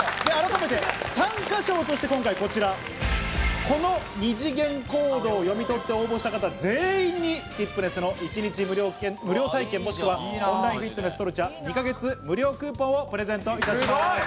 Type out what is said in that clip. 参加賞として今回こちら、この二次元コードを読み取って応募した方全員に、ティップネスの一日無料体験、もしくはオンラインフィットネスｔｏｒｃｉａ２か月無料クーポンをプレゼントいたします。